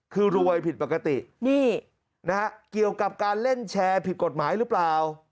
คือรวยผิดปกตินี่นะฮะเกี่ยวกับการเล่นแชร์ผิดกฎหมายหรือเปล่า